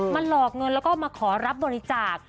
หลอกเงินแล้วก็มาขอรับบริจาค